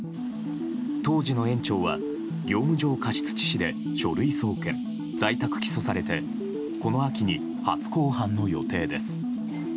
当時の園長は業務上過失致死で書類送検在宅起訴されてこの秋に初公判の予定です。